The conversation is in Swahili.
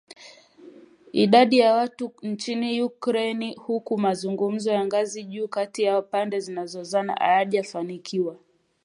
idadi ya watu nchini Ukraine huku mazungumzo ya ngazi ya juu kati ya pande zinazozozana hayajafanikiwa